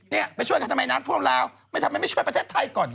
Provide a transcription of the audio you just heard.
นี่ไปช่วยกันทำไมนางพวกเราทำไมไม่ช่วยประเทศไทยก่อน